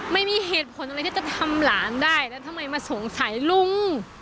ไม่มีเหตุผลอะไรที่จะทำหลานได้แล้วทำไมมาสงสัยลุง